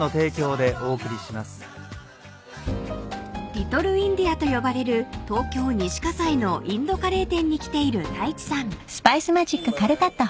［リトルインディアと呼ばれる東京西葛西のインドカレー店に来ている太一さん］